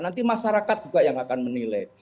nanti masyarakat juga yang akan menilai